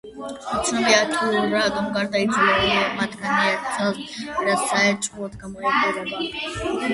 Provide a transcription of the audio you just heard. უცნობია, თუ რატომ გარდაიცვალა ორივე მათგანი ერთ წელს, რაც საეჭვოდ გამოიყურება.